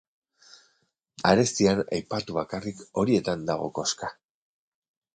Arestian aipatu bakarrik horietan dago koska.